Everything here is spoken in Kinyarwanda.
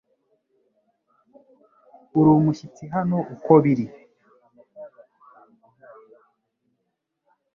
Uri umushyitsi hano uko biri